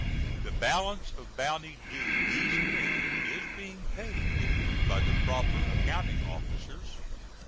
The balance of bounty due these men is being paid by the proper accounting officers.